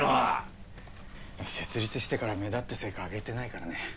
設立してから目立った成果上げてないからね。